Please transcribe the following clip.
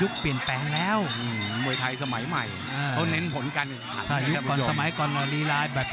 เขาเน้นผลการครับ